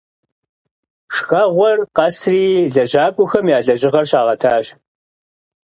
Шхэгъуэр къэсри лэжьакӀуэхэм я лэжьыгъэр щагъэтащ.